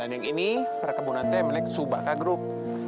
dan yang ini reka bonate melek subaka group